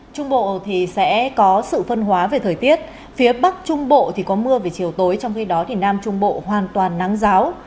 trung bộ thì sẽ có sự phân hóa về thời tiết phía bắc trung bộ thì có mưa về chiều tối trong khi đó thì nam trung bộ hoàn toàn nắng giáo